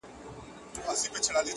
اوس مي د زړه زړگى په وينو ســور دى_